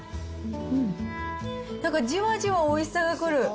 なんかじわじわおいしさが来る。